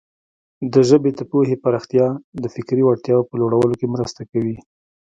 د ژبې د پوهې پراختیا د فکري وړتیاوو په لوړولو کې مرسته کوي.